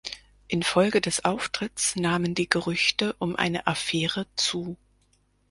Infolge des Auftritts nahmen die Gerüchte um eine Affäre zu.